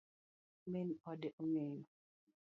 Min ode ong'eyo?